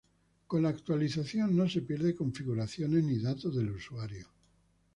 Con la actualización no se pierden configuraciones ni datos del usuario.